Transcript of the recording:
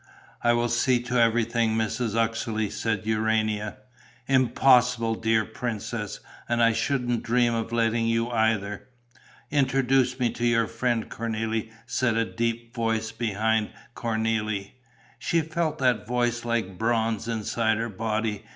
"I will see to everything, Mrs. Uxeley," said Urania. "Impossible, dear princess; and I shouldn't dream of letting you either." "Introduce me to your friend, Cornélie!" said a deep voice behind Cornélie. She felt that voice like bronze inside her body.